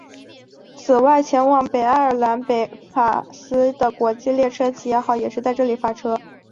此外前往北爱尔兰贝尔法斯特的国际列车企业号也是自这里发车。